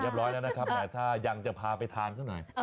เรียบร้อยแล้วนะครับแต่ถ้ายังจะพาไปทานก็หน่อย